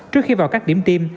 trước khi vào các điểm tiêm